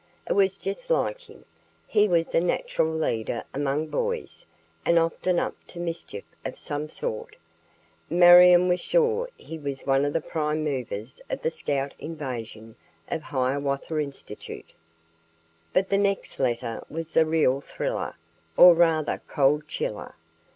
It was just like him. He was a natural leader among boys, and often up to mischief of some sort. Marion was sure he was one of the prime movers of the Scout invasion of Hiawatha Institute. But the next letter was the real thriller, or rather cold chiller.